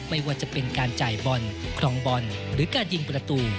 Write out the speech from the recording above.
ไม่ว่าจะเป็นการจ่ายบอลครองบอลหรือการยิงประตู